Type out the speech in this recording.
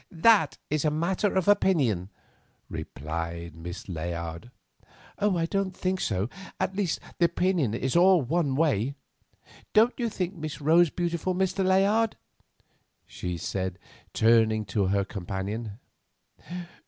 "That is a matter of opinion," replied Miss Layard. "Oh! I don't think so; at least, the opinion is all one way. Don't you think Miss Rose beautiful, Mr. Layard?" she said, turning to her companion.